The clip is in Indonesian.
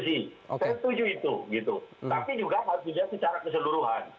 tapi juga harusnya secara keseluruhan